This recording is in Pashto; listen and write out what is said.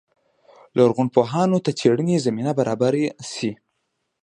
لرغونپوهانو ته څېړنې زمینه برابره شي.